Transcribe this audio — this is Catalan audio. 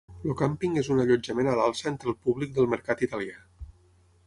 El càmping és un allotjament a l'alça entre el públic del mercat italià.